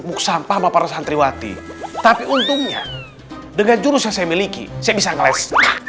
muk sampah sama para santriwati tapi untungnya dengan jurus yang saya miliki saya bisa ngeles